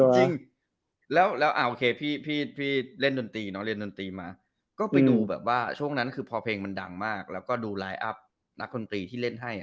จริงแล้วโอเคพี่เล่นดนตรีน้องเรียนดนตรีมาก็ไปดูแบบว่าช่วงนั้นคือพอเพลงมันดังมากแล้วก็ดูไลน์อัพนักดนตรีที่เล่นให้